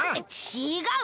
ちがう！